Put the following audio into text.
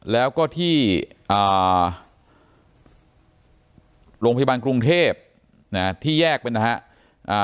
แล้วก็ที่อ่าโรงพยาบาลกรุงเทพที่แยกเป็นนะฮะ